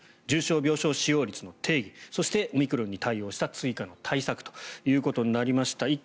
重症病床使用率の定義そしてオミクロンに対応した追加の対策ということになりました。